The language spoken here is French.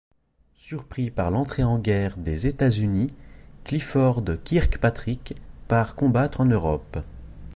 Surpris par l'entrée en guerre des États-unis, Clifford Kirkpatrick part combattre en Europe.